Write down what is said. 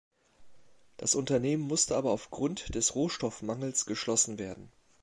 Das Unternehmen musste aber auf Grund des Rohstoffmangels geschlossen werden.